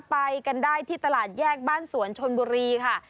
ไปกันได้ที่ตลาดแยกบ้านสวนชนบุรีค่ะ